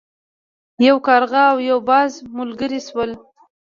یو کارغه او یو باز ملګري شول.